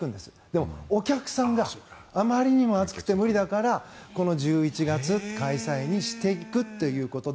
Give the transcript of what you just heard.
でもお客さんがあまりにも暑くて無理だから、この１１月開催にしていくということ。